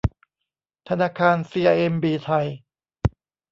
ธนาคารซีไอเอ็มบีไทย